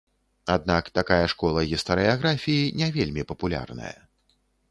Аднак такая школа гістарыяграфіі не вельмі папулярная.